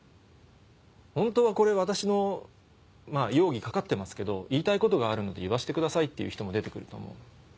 本当はこれ私の容疑掛かってますけど言いたいことがあるので言わせてくださいっていう人も出て来ると思う。